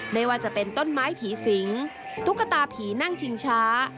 ไม่ว่าจะเป็นต้นไม้ผีสิงตุ๊กตาผีนั่งชิงช้า